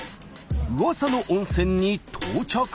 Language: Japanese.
うわさの温泉に到着。